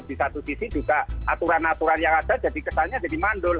di satu sisi juga aturan aturan yang ada jadi kesannya jadi mandul